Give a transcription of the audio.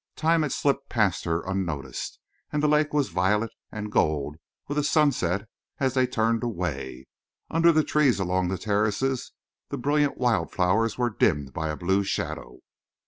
Time had slipped past her unnoticed, and the lake was violet and gold with the sunset as they turned away; under the trees along the terraces the brilliant wild flowers were dimmed by a blue shadow.